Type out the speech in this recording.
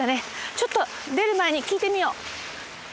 ちょっと出る前に聞いてみよう。